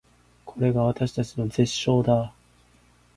これが私たちの絶唱だー